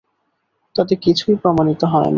তাতে কিছুই প্রমাণিত হয় না।